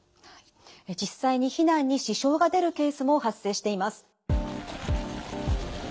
実際に避難に支障が出るケースも発生しています。